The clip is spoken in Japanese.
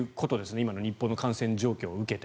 今の日本の感染状況を受けて。